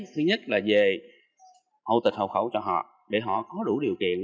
thứ nhất là về hậu tịch hậu khẩu cho họ để họ có đủ điều kiện